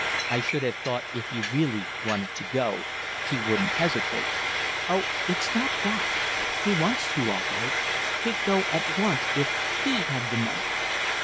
"I should have thought if he really wanted to go he wouldn't hesitate." "Oh, it's not that, he wants to all right. He'd go at once if he had the money."